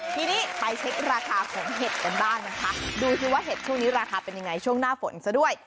ทีนี้ไปเช็คราคาของเห็ดกันบ้างนะคะดูสิว่าเห็ดช่วงนี้ราคาเป็นยังไงช่วงหน้าฝนซะด้วย